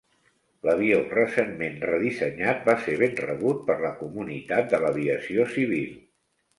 L'avió recentment redissenyat va ser ben rebut per la comunitat de l'aviació civil.